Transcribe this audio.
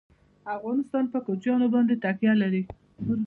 افغانستان په کوچیان باندې تکیه لري.